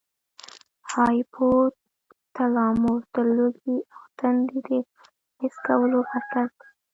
هایپو تلاموس د لوږې او تندې د حس کولو مرکز دی.